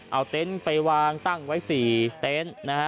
เอาเต็นต์ไปวางตั้งไว้๔เต็นต์นะฮะ